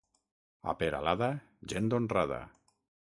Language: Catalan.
A Peralada, gent honrada.